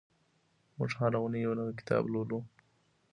موږ هره اونۍ یو نوی کتاب لولو.